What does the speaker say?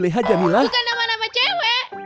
bukan nama nama cewek